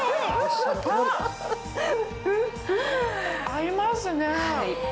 合いますね。